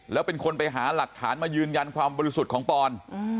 แล้วเป็นคนไปหาหลักฐานมายืนยันความบริสุทธิ์ของปอน